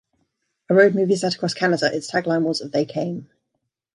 A road movie set across Canada, its tagline was They came.